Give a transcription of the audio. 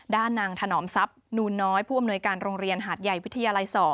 ด้านนางถนอมทรัพย์นูนน้อยผู้อำนวยการโรงเรียนหาดใหญ่วิทยาลัย๒